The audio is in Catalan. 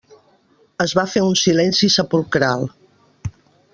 Es va fer un silenci sepulcral.